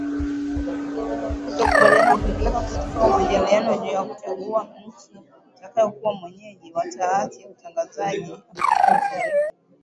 Kutokukubaliana kulipelekea kusitishwa kwa majadiliano juu ya kuchagua nchi itakayokuwa mwenyeji wa taasisi ya utangazaji Afrika Mashariki .